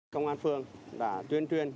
công an phường đã tuyên truyền